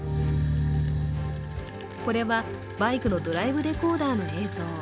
これは、バイクのドライブレコーダーの映像。